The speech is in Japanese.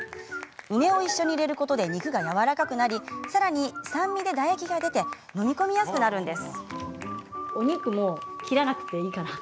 梅を一緒に入れることで肉がやわらかくなりさらに、酸味で唾液が出て飲み込みやすくなるんです。